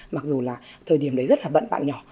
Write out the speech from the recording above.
và thời điểm đấy rất là bận bạn nhỏ